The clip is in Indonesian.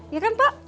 iya kan pak